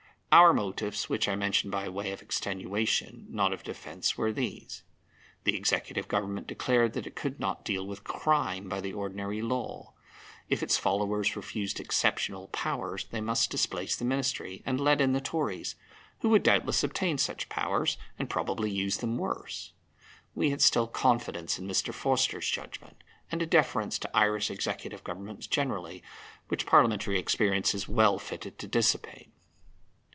Our motives, which I mention by way of extenuation, not of defence, were these. The Executive Government declared that it could not deal with crime by the ordinary law. If its followers refused exceptional powers, they must displace the Ministry, and let in the Tories, who would doubtless obtain such powers, and probably use them worse. We had still confidence in Mr. Forster's judgment, and a deference to Irish Executive Governments generally which Parliamentary experience is well fitted to dissipate.